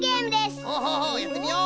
やってみよう！